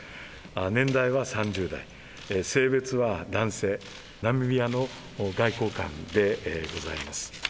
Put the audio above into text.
年代は３０代、性別は男性、ナミビアの外交官でございます。